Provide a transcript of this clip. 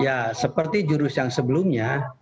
ya seperti jurus yang sebelumnya